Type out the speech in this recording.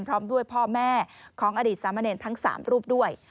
พร้อมด้วยพ่อแม่ของอดีตสามเณรทั้ง๓รูปด้วย